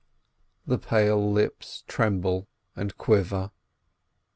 .." The pale lips tremble and quiver.